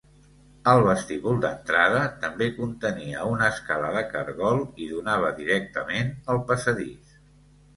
El vestíbul d'entrada també contenia una escala de cargol i donava directament al passadís.